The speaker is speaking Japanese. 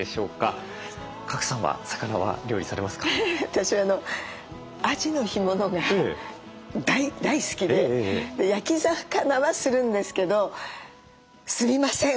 私あじの干物が大好きで焼き魚はするんですけどすみません。